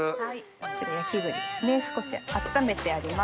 こっちの焼栗ですね少し温めてあります。